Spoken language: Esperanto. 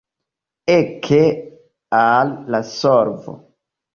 Eke al la solvo!